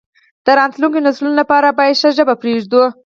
د راتلونکو نسلونو لپاره باید ښه ژبه پریږدو.